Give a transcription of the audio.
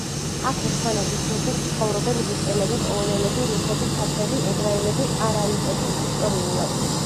აქ ერთმანეთის გვერდით ცხოვრობენ ლიტველები, პოლონელები, რუსები, თათრები, ებრაელები, ყარაიტები ისტორიულად.